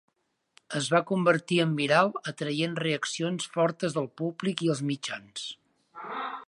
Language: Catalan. Es va convertir en viral atraient reaccions fortes del públic i els mitjans.